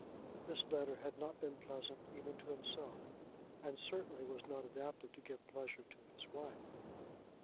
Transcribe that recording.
This letter had not been pleasant even to himself, and certainly was not adapted to give pleasure to his wife.